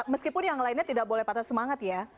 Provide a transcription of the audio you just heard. meskipun yang lainnya tidak boleh patah semangat ya